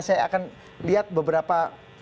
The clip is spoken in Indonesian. saya akan lihat beberapa